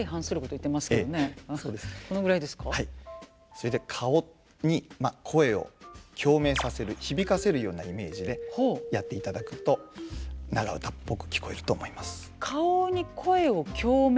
それで顔に声を共鳴させる響かせるようなイメージでやっていただくと長唄っぽく聞こえると思います。